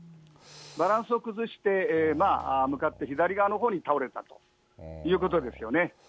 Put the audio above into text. バランスを崩して、向かって左側のほうに倒れたということですよね。